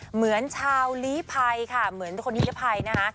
เหมือนชาวลีภัยค่ะเหมือนคนนิรภัยนะคะ